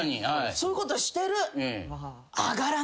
そういうことしてる。